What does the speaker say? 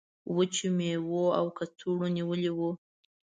وچو میوو او کڅوړو نیولی و.